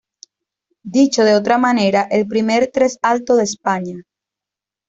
Dicho de otra manera, el primer "tres alto" de España.